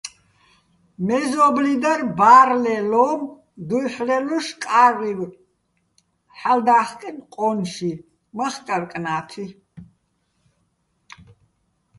მეზო́ბლი დარ ბა́რლეჼ ლო́უ̆მო̆ დუ́ჲჰ̦რელუშ კა́რვივ ჰ̦ალო̆ და́ხკენო̆ ყო́ნში, მახკარ-კნა́თი.